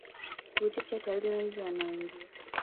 kivutio cha watalii wengi wanaoingia